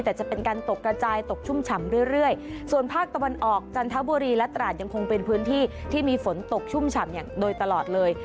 แต่จะเป็นการตกกระจายตกชุ่มฉ่ำเรื่อยเรื่อยส่วนภาคตะวันออกจันทบุรีและตราดยังคงเป็นพื้นที่ที่มีฝนตกชุ่มฉ่ำอย่างโดยตลอดเลย